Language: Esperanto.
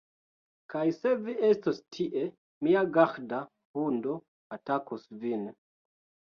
Kaj se vi estos tie, mia garda hundo atakos vin